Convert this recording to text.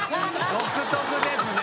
独特ですね。